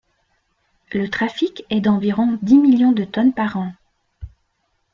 Le trafic est d'environ dix millions de tonnes par an.